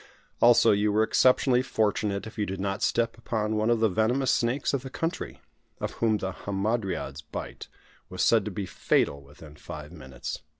Also, you were exceptionally fortunate if you did not step upon one of the venomous snakes of the country, of whom the hamadryad's bite was said to be fatal within five minutes.